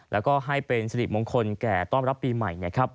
แล้วก็ให้เป็นสิริมงคลแก่ต้อนรับปีใหม่นะครับ